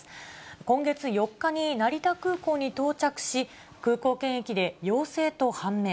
今月４日に成田空港に到着し、空港検疫で陽性と判明。